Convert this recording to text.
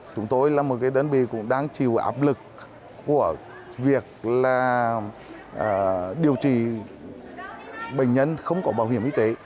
chúng tôi là một đơn vị cũng đang chịu áp lực của việc điều trị bệnh nhân không có bảo hiểm y tế